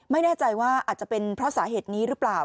ไม่แน่ใจว่าอาจจะเป็นเพราะสาเหตุนี้หรือเปล่า